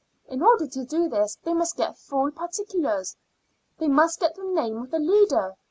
In order to do this they must get full particulars. They must get the name of the leader.